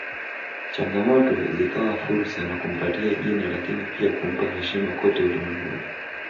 Changamoto zikawa fursa na kumpatia jina lakini pia kumpa heshima kote ulimwenguni